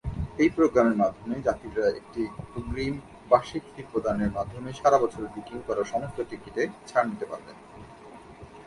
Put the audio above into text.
এই প্রোগ্রামের মাধ্যমে, যাত্রীরা একটি অগ্রিম বার্ষিক ফি প্রদানের মাধ্যমে সারা বছর বুকিং করা সমস্ত টিকিটে ছাড় নিতে পারবেন।